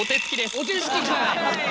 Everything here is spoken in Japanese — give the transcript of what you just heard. おてつきかい！